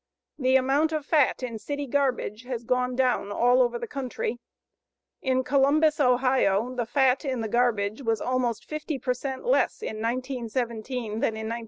The amount of fat in city garbage has gone down all over the country. In Columbus, Ohio, the fat in the garbage was almost 50 per cent less in 1917 than in 1916.